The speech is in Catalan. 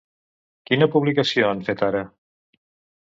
Quina publicació han fet ara?